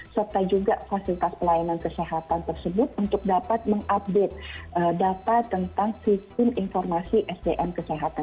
serta juga fasilitas pelayanan kesehatan tersebut untuk dapat mengupdate data tentang sistem informasi sdm kesehatan